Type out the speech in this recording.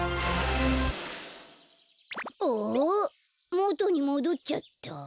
もとにもどっちゃった！